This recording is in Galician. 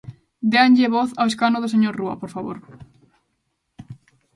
Déanlle voz ao escano do señor Rúa, por favor.